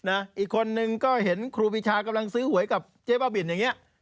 อีกคนนึงก็เห็นครูปีชากำลังซื้อหวยกับเจ๊บ้าบินอย่างนี้